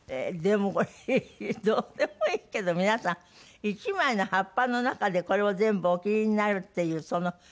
でもこれどうでもいいけど皆さん１枚の葉っぱの中でこれを全部お切りになるっていうその。